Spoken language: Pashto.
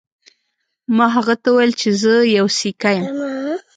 ما هغه ته وویل چې زه یو سیکه یم.